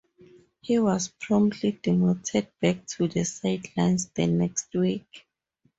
He was promptly demoted back to the sidelines the next week.